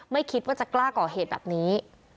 ไม่คิดว่าจะกล้าก่อเหตุแบบนี้